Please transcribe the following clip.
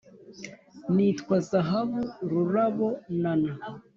nitwa zahabu rurabo nana